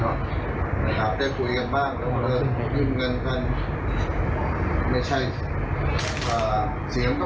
เห็นแต่ดูหนังสือใครเขียนก็ไม่รู้